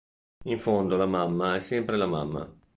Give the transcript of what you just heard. In fondo la mamma è sempre la mamma.